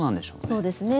そうですね。